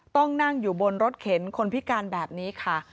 ต้องนั่งอยู่บนรถเข็นคนพิการแบบนี้ค่ะ